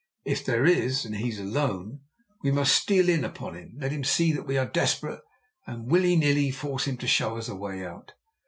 If there is, and he is alone, we must steal in upon him, let him see that we are desperate, and, willy nilly, force him to show us a way out.